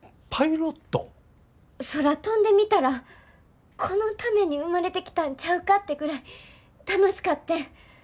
空飛んでみたらこのために生まれてきたんちゃうかってぐらい楽しかってん。